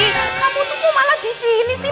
kamu tuh malah di sini sih